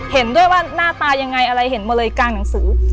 เห็นด้วยว่าหน้าตายังไงอะไรเห็นหมดเลยกลางหนังสือ